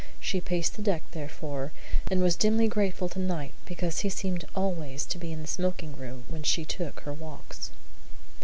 She paced the deck, therefore, and was dimly grateful to Knight because he seemed always to be in the smoking room when she took her walks.